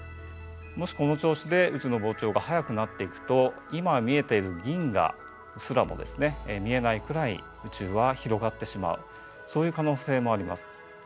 もしこの調子で宇宙の膨張が速くなっていくと今見えている銀河すらも見えないくらい宇宙は広がってしまうそういう可能性もあります。